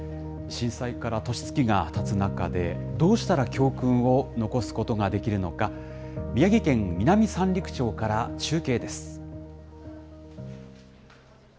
震災から年月がたつ中で、どうしたら教訓を残すことができるのか、宮城県南三陸町から中継です。